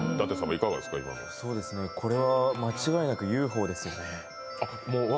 これは間違いなくＵＦＯですよね。